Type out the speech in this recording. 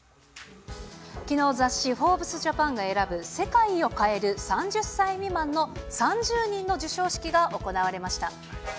きのう、雑誌、フォーブスジャパンが選ぶ世界を変える３０歳未満の３０人の授賞式が行われました。